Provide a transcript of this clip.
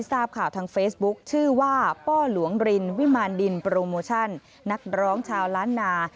ทราบข่าวทางเฟซบุ๊คชื่อว่าป้อหลวงรินวิมารดินโปรโมชั่นนักร้องชาวล้านนา